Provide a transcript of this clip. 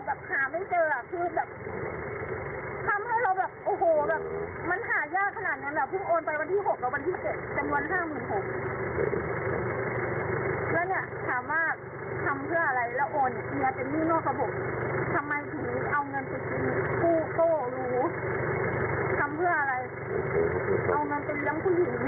ทำเพื่ออะไรเอาเงินเป็นยังผู้หญิง